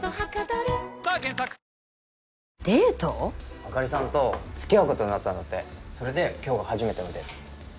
あかりさんと付き合うことになったんだってそれで今日が初めてのデート